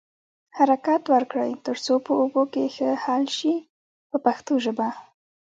حرکت ورکړئ تر څو په اوبو کې ښه حل شي په پښتو ژبه.